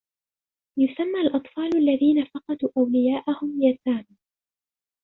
يُسمى الأطفال الذين فقدوا أولياءهم"يتامى".